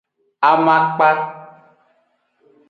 Amakpa.